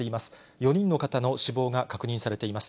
４人の方の死亡が確認されています。